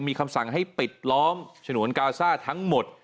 มีคำสั่งให้ปิดล้อมฉนวนกาซ่าทั้งหมด